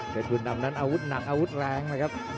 เป็นบุญดำนั้นอาวุธหนักอาวุธแรงนะครับ